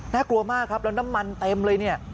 น่ากลัวมากครับแล้วน้ำมันเต็มเลย